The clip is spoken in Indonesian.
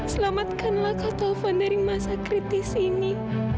selamatkanlah kau taufan dari masa kritis ini